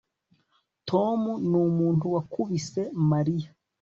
Tom numuntu wakubise Mariya